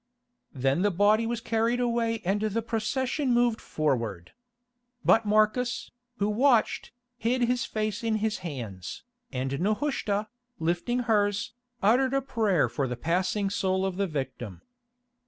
Then the body was carried away and the procession moved forward. But Marcus, who watched, hid his face in his hands, and Nehushta, lifting hers, uttered a prayer for the passing soul of the victim.